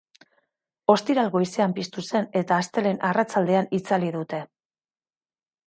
Ostiral goizean piztu zen, eta astelehen arratsaldean itzali dute.